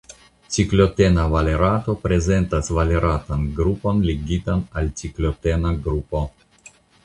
Ciklotena valerato prezentas valeratan grupon ligitan al ciklotena grupo.